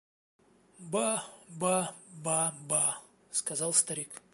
– Ба, ба, ба, ба! – сказал старик.